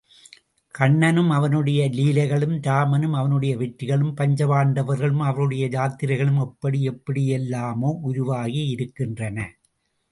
கண்ணனும் அவனுடைய லீலைகளும், ராமனும் அவனுடைய வெற்றிகளும், பஞ்சபாண்டவர்களும் அவர்களுடைய யாத்திரைகளும் எப்படி எப்படியெல்லாமோ உருவாகியிருக்கின்றன.